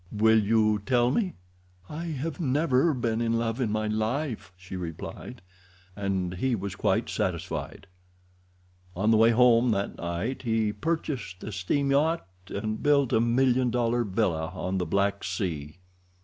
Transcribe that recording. Will you tell me?" "I have never been in love in my life," she replied, and he was quite satisfied. On the way home that night he purchased a steam yacht, and built a million dollar villa on the Black Sea.